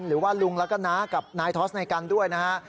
หรือว่าลุงแล้วก็น้ากับนายทอสในกันด้วยนะฮะ